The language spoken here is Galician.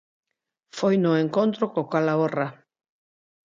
Foi no encontro co Calahorra.